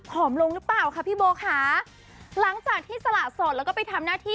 อมลงหรือเปล่าค่ะพี่โบค่ะหลังจากที่สละสดแล้วก็ไปทำหน้าที่